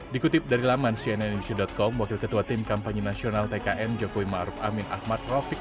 dikutip dari laman cnn news com wakil ketua tim kampanye nasional tkn jokowi ma'ruf amin ahmad rovik